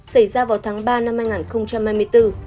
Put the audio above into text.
xảy ra vào tháng ba năm hai nghìn hai mươi bốn